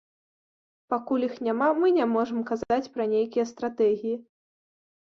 Пакуль іх няма, мы не можам казаць пра нейкія стратэгіі.